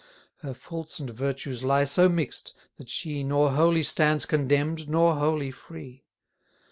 Her faults and virtues lie so mix'd, that she Nor wholly stands condemn'd, nor wholly free.